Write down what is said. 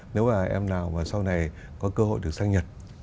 nếu mà em nào mà sau này có cơ hội được sang nhật